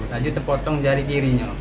laju terpotong jari kirinya